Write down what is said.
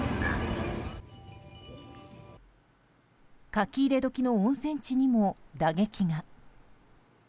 書き入れ時の温泉地にも打撃が。